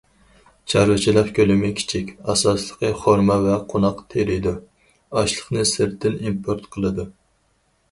چارۋىچىلىق كۆلىمى كىچىك، ئاساسلىقى خورما ۋە قوناق تېرىيدۇ، ئاشلىقنى سىرتتىن ئىمپورت قىلىدۇ.